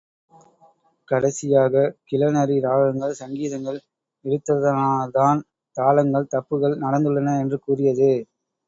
கடைசியாகக் கிழநரி ராகங்கள் சங்கீதங்கள் இழுத்ததனால்தான் தாளங்கள் தப்புகள் நடந்துள்ளன என்று கூறியது.